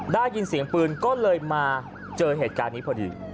ได้ยินเสียงปืนก็เลยมาเจอเหตุการณ์นี้พอดี